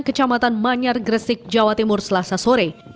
kecamatan manyar gresik jawa timur selasa sore